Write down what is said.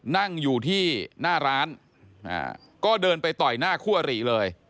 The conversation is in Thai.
นั่งอยู่ที่หน้าร้านก็เดินไปต่อยหน้าคั่วหรี่เลย